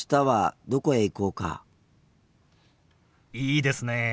いいですね。